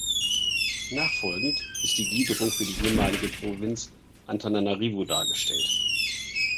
Nachfolgend ist die Gliederung für die ehemalige Provinz Antananarivo dargestellt.